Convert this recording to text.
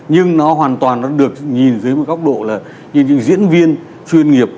nhưng nó hoàn toàn được nhìn dưới một góc độ là những diễn viên chuyên nghiệp